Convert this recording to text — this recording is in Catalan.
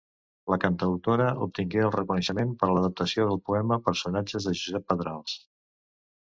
La cantautora obtingué el reconeixement per l'adaptació del poema 'Personatges', de Josep Pedrals.